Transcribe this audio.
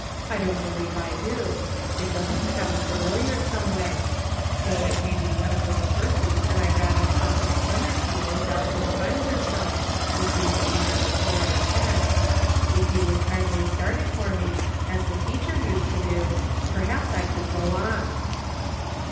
I don't believe I do ; it doesn't sound familiar, some way ; though it may be one of those verses that I rattled off in Sunday school a thousand times or so, be tween the ages of four and ten. If you would kindly start it for me, as the teacher used to do, perhaps I could go on."